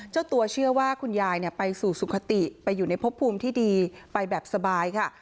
เจ้าตัวเชื่อว่าคุณยายไปสู่สุขติไปอยู่ในพบภูมิที่ดีไปแบบสบายค่ะ